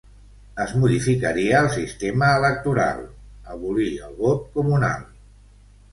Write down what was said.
Es modificaria el sistema electoral, abolir el vot comunal.